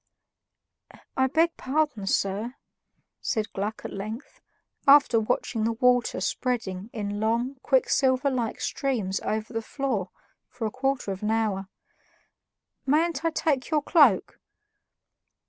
"I beg pardon, sir," said Gluck at length, after watching the water spreading in long, quicksilver like streams over the floor for a quarter of an hour; "mayn't I take your cloak?"